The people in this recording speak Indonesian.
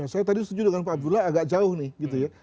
saya tadi setuju dengan pak abdullah agak jauh nih